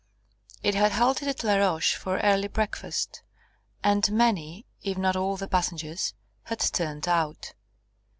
It had halted at Laroche for early breakfast, and many, if not all the passengers, had turned out.